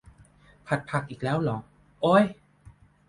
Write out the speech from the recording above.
ผัดผักอีกแล้วเหรอ โอ๊ย